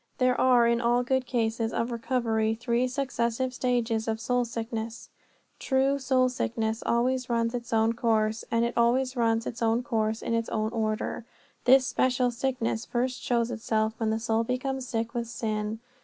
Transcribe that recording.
There are in all good cases of recovery three successive stages of soul sickness. True, soul sickness always runs its own course, and it always runs its own course in its own order. This special sickness first shows itself when the soul becomes sick with sin.